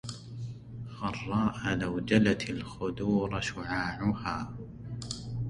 غراء لو جلت الخدور شعاعها